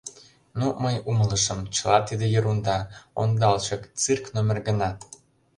Ну, мый умылышым, чыла тиде ерунда, ондалчык, цирк номер гына.